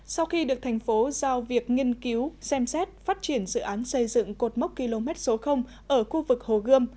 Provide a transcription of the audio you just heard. sau khi được thành phố giao việc nghiên cứu xem xét phát triển dự án xây dựng cột mốc km số ở khu vực hồ gươm